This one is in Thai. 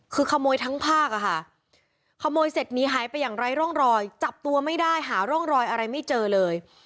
คือขโมยทั้งภาคอะค่ะขโมยเสร็จหนีหายไปอย่างไร้ร่องรอยจับตัวไม่ได้หาร่องรอยอะไรไม่เจอเลย